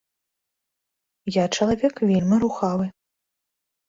Я чалавек вельмі рухавы.